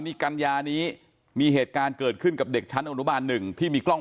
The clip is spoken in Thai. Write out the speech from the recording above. นี่กัญญานี้มีเหตุการณ์เกิดขึ้นกับเด็กชั้นอนุบาล๑ที่มีกล้อง